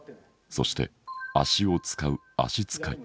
そして足を遣う足遣い。